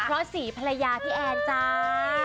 เพราะสีภรรยาพี่แอนจ้า